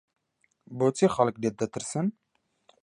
بۆچی خەڵک لێت دەترسن؟